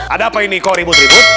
ada apa ini kok ribut ribut